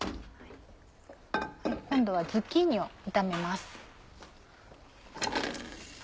今度はズッキーニを炒めます。